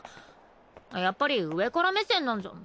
やっぱり上から目線なんじゃ。